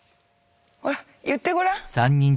ほらっ言ってごらん。